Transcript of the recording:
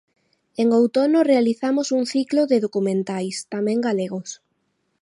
En outono realizamos un ciclo de documentais, tamén galegos.